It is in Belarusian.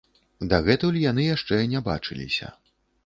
Дагэтуль яны яшчэ не бачыліся.